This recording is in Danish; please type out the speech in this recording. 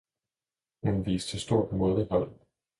Hun viste stort mådehold.